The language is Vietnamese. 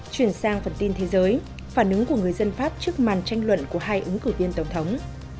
chuyển sang phần tin thế giới phản ứng của người dân pháp trước màn tranh luận của hai ứng cử viên tổng thống